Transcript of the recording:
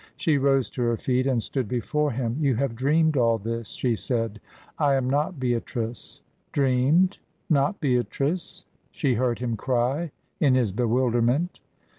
She rose to her feet and stood before him. "You have dreamed all this," she said. "I am not Beatrice." "Dreamed? Not Beatrice?" she heard him cry in his bewilderment.